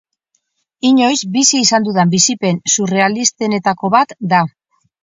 Inoiz bizi izan dudan bizipen surrealistenetako bat da.